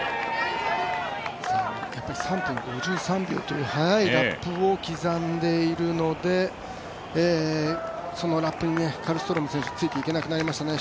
３分５３秒という早いラップを刻んでいるのでそのラップにカルストローム選手ついていけなくなりましたね。